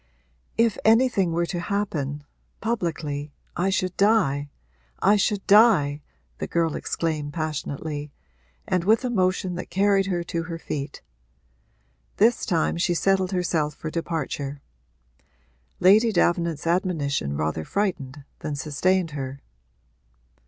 'If anything were to happen publicly I should die, I should die!' the girl exclaimed passionately and with a motion that carried her to her feet. This time she settled herself for departure. Lady Davenant's admonition rather frightened than sustained her.